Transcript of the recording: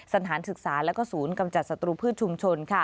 สถานศึกษาและศูนย์กำจัดศัตรูพืชชุมชน